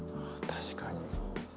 確かに。